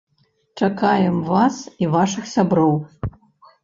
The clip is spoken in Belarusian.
Чакаем вас і вашых сяброў!